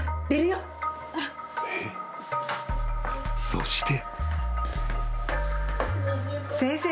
［そして］